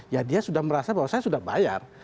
ya dia sudah merasa bahwa saya sudah bayar